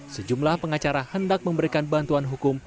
sejumlah pengacara hendak memberikan bantuan hukum